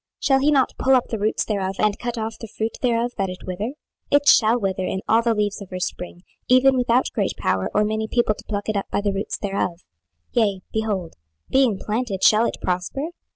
shall he not pull up the roots thereof, and cut off the fruit thereof, that it wither? it shall wither in all the leaves of her spring, even without great power or many people to pluck it up by the roots thereof. 26:017:010 Yea, behold, being planted, shall it prosper?